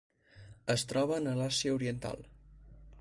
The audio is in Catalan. Es troben a l'Àsia oriental.